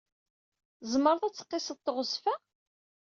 Tzemreḍ ad tqisseḍ teɣzef-a?